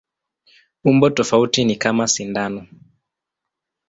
Umbo tofauti ni kama sindano.